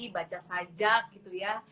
baca sajak gitu ya